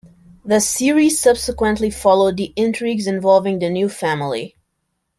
The series subsequently followed the intrigues involving the new family.